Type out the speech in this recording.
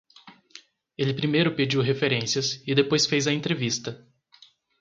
Ele primeiro pediu referências e depois fez a entrevista.